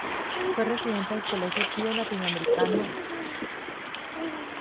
Fue residente del Colegio Pio Latino Americano.